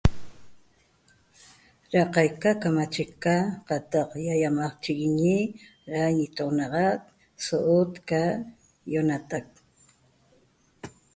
Da qaica camecheca qataq ýaýamaqchiguiñi da ñitunaxac so'ot ca ´´yi'onatac